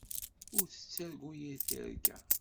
Ur tettargu yir tirga.